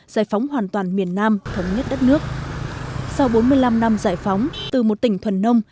giải phóng hoàn toàn miền nam thống nhất đất nước sau bốn mươi năm năm giải phóng từ một tỉnh thuần nông